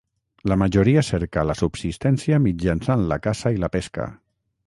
La majoria cerca la subsistència mitjançant la caça i la pesca.